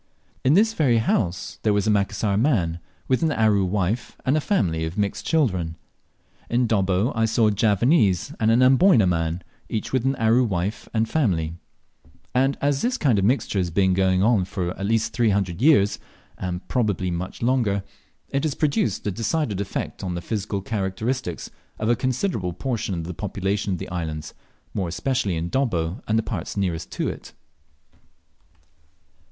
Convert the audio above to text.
In this very house there was a Macassar man, with an Aru wife and a family of mixed children. In Dobbo I saw a Javanese and an Amboyna man, each with an Aru wife and family; and as this kind of mixture has been going on for at least three hundred years, and probably much longer, it has produced a decided effect on the physical characteristics of a considerable portion of the population of the islands, more especially in Dobbo and the parts nearest to it.